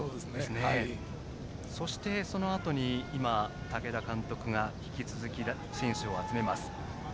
そして、そのあとに武田監督が引き続き選手を集めます。